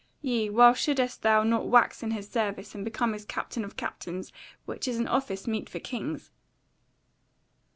Yea, why shouldest thou not wax in his service, and become his Captain of Captains, which is an office meet for kings?"